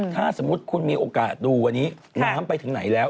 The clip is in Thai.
ถ้าสมมุติคุณมีโอกาสดูวันนี้น้ำไปถึงไหนแล้ว